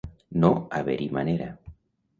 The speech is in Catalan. No haver-hi manera.